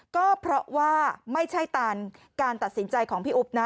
ก็เพราะว่าไม่ใช่ตันการตัดสินใจของพี่อุ๊บนะ